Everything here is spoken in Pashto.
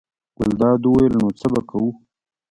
ګلداد وویل: نو څه به کوو.